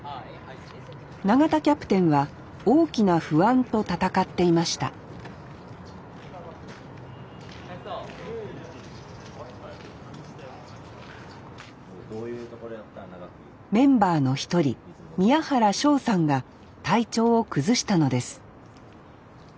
永田キャプテンは大きな不安と闘っていましたメンバーの一人宮原翔さんが体調を崩したのです